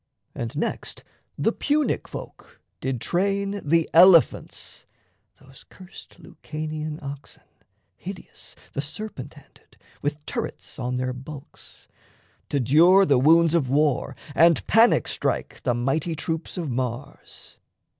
And next The Punic folk did train the elephants Those curst Lucanian oxen, hideous, The serpent handed, with turrets on their bulks To dure the wounds of war and panic strike The mighty troops of Mars.